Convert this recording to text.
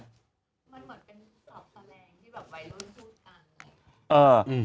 มันเหมือนเป็นสอบแปลงที่แบบไวโลนสู้ตังค์ไง